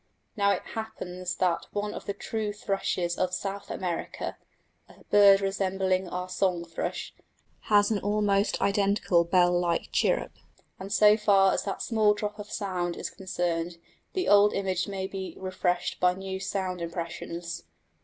Now it happens that one of the true thrushes of South America, a bird resembling our song thrush, has an almost identical bell like chirp, and so far as that small drop of sound is concerned the old image may be refreshed by new sense impressions.